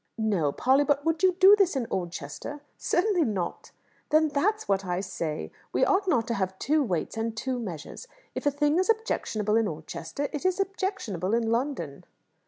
"No, Polly; but would you do this in Oldchester?" "Certainly not." "Then that's what I say. We ought not to have two weights and two measures. If a thing is objectionable in Oldchester, it is objectionable in London."